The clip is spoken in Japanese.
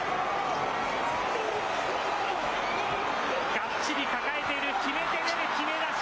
がっちり抱えている、きめて出る、きめ出し。